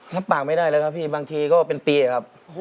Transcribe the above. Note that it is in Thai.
รับปากไม่ได้เลยครับพี่บางทีก็เป็นปีครับ